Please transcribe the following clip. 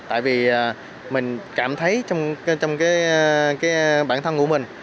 tại vì mình cảm thấy trong cái bản thân của mình